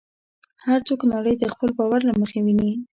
هر څوک نړۍ د خپل باور له مخې ویني.